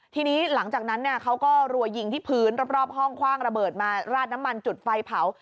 ทีนี้หลังจากนั้นเขาก็รัวยิงที่พื้นรอบห้องคว่างระเบิดมาราดน้ำมันจุดไฟเผา